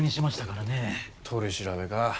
取り調べか。